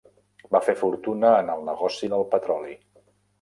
Va fer fortuna en el negoci del petroli.